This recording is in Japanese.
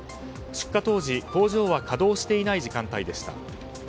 出火当時、工場は稼働していない時間帯でした。